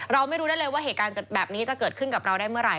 เราไม่รู้ได้เลยว่าเหตุการณ์แบบนี้จะเกิดขึ้นกับเราได้เมื่อไห